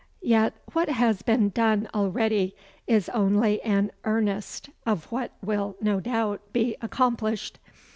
Yet what has been done already is only an earnest of what will no doubt be accomplished.